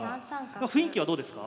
雰囲気はどうですか？